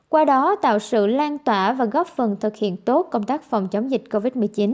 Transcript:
qua đó tạo sự lan tỏa và góp phần thực hiện tốt công tác phòng chống dịch covid một mươi chín